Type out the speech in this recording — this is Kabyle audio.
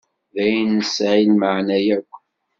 D ayen nesεi lmeεna yakk.